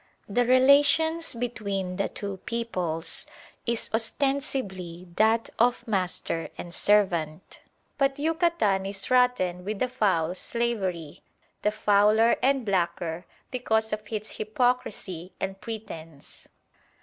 The relations between the two peoples is ostensibly that of master and servant; but Yucatan is rotten with a foul slavery the fouler and blacker because of its hypocrisy and pretence.